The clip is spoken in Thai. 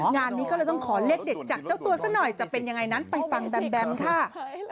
งานนี้ก็เลยต้องขอเลขเด็ดจากเจ้าตัวซะหน่อยจะเป็นยังไงนั้นไปฟังแบมแบมค่ะ